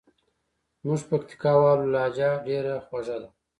زموږ پکتیکاوالو لهجه ډېره خوژه ده.